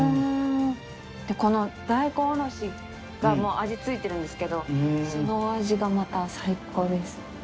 でこの大根おろしがもう味付いてるんですけどそのお味がまた最高です。